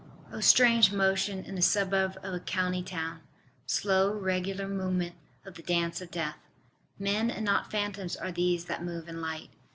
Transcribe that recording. O strange motion in the suburb of a county town: slow regular movement of the dance of death! Men and not phantoms are these that move in light.